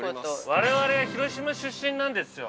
我々は広島出身なんですよ。